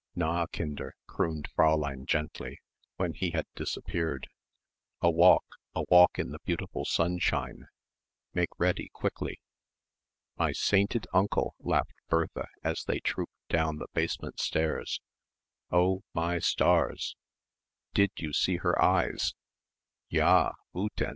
"Na, Kinder," crooned Fräulein gently, when he had disappeared, "a walk a walk in the beautiful sunshine. Make ready quickly." "My sainted uncle," laughed Bertha as they trooped down the basement stairs. "Oh my stars!" "Did you see her eyes?" "Ja!